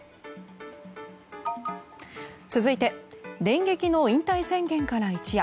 続いて電撃の引退宣言から一夜。